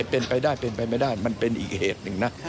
เป็นไปได้เป็นไปไม่ได้มันเป็นอีกเหตุหนึ่งนะ